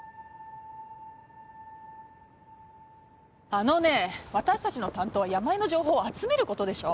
あのね私たちの担当は山井の情報を集めることでしょ。